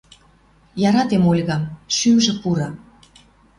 Яратем Ольгам, шӱмжӹ пуры.